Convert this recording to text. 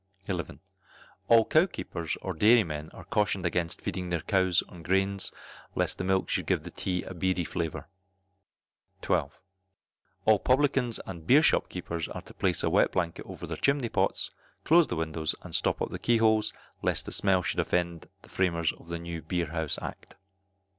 11. All cowkeepers or dairymen are cautioned against feeding their cows on grains, lest the milk should give the tea a beery flavour. 12. All publicans and beer shop keepers are to place a wet blanket over their chimney pots, close the windows, and stop up the key holes, lest the smell should offend the framers of the New Beer House Act.